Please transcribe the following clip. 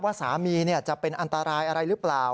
ว่าสามีจะเป็นอันตรายอะไรหรือเปล่า